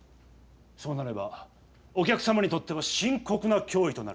そうなればお客様にとっては深刻な脅威となる。